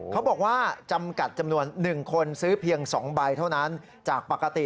เขาบอกว่าจำกัดจำนวน๑คนซื้อเพียง๒ใบเท่านั้นจากปกติ